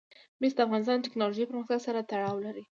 مس د افغانستان د تکنالوژۍ پرمختګ سره تړاو لري.